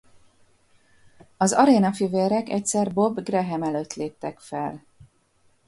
Az Arena-fivérek egyszer Bob Graham előtt léptek fel.